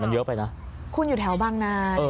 มันเยอะไปนะโอเคครับเป็นไง